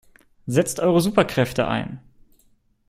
Setzt eure Superkräfte ein!